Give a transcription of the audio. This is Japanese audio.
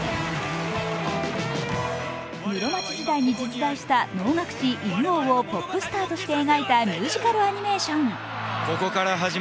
室町時代に実在した能楽師・犬王をポップスターとして描いたミュージカル・アニメーション。